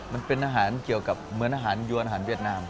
มันเป็นอาหารเกี่ยวกับเหมือนอาหารยวนอาหารเวียดนาม